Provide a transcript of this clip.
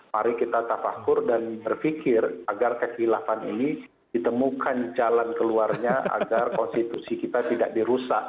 mari kita tafakur dan berpikir agar kekhilafan ini ditemukan jalan keluarnya agar konstitusi kita tidak dirusak